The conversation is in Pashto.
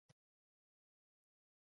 جانداد د نازک مزاج خاوند دی.